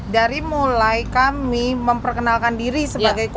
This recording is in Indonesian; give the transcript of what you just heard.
dari mulai kami memperkenalkan diri sebagai